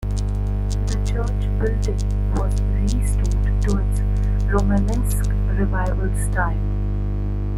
The church building was restored to its Romanesque Revival style.